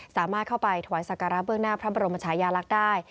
สามารถเข้าไปถวายสักการะเบื้องหน้าพระบรมชายาลักษณ์ได้